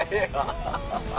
ハハハハ！